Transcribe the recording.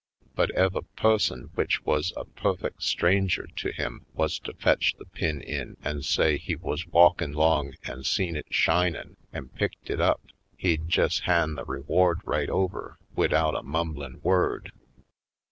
But ef a pusson w'ich wuz a puffec' stranger to him wuz to fetch the pin in an' say he wuz walkin' 'long an' seen it shinin' an' picked it up, he'd jes' hand the reward right over widout a mumblin' word."